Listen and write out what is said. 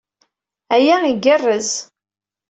Aya igerrez.